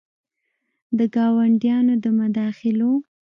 د ګاونډیانو د مداخلو